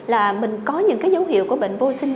là mình có những cái dấu hiệu của bệnh vô sinh